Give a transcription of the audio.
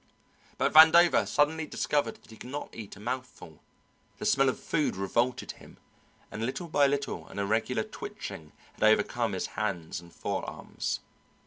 But Vandover suddenly discovered that he could not eat a mouthful, the smell of food revolted him, and little by little an irregular twitching had overcome his hands and forearms.